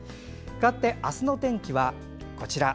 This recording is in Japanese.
かわってあすの天気はこちら。